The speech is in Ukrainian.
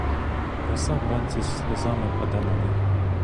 Роса вранці сльозами паде на них.